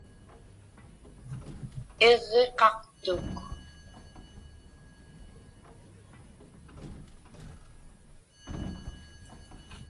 Iġġiqaqtuq.